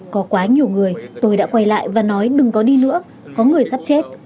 có quá nhiều người tôi đã quay lại và nói đừng có đi nữa có người sắp chết